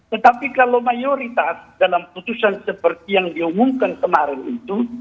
tetapi kalau mayoritas dalam putusan seperti yang diumumkan kemarin itu